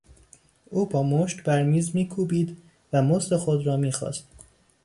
او با مشت بر میز میکوبید و مزد خود را میخواست.